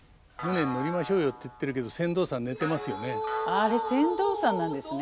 あれ船頭さんなんですね。